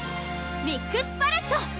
ミックスパレット！